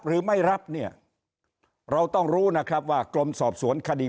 หรือไม่รับเนี่ยเราต้องรู้นะครับว่ากรมสอบสวนคดี